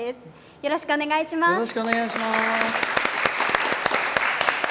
よろしくお願いします。